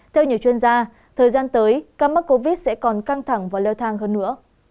theo nhiều chuyên gia thời gian tới ca mắc covid sẽ còn căng thẳng và leo thang hơn nữa